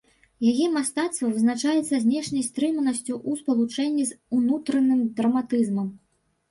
Яе мастацтва вызначаецца знешняй стрыманасцю ў спалучэнні з унутраным драматызмам.